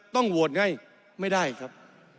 ต้องโหวตไงไม่ได้ครับ